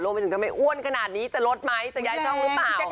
โลกมันยังทำไมอ้วนขนาดนี้จะลดไหมจะย้ายช่องรึป่าว